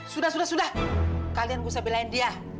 sudah sudah sudah kalian nggak usah belain dia